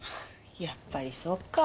やっぱりそうか。